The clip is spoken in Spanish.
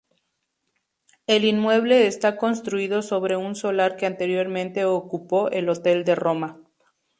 El inmueble está construido sobre un solar que anteriormente ocupó el Hotel de Roma.